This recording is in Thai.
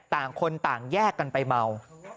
ต่างคนต่างแยกกันไปเมา